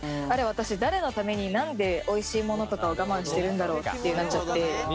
私、誰のためになんで、おいしいものとかを我慢してるんだろう？ってなっちゃって。